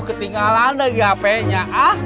ketinggalan deh hpnya